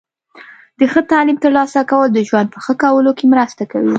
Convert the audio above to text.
د ښه تعلیم ترلاسه کول د ژوند په ښه کولو کې مرسته کوي.